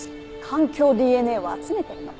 環境ＤＮＡを集めてるの。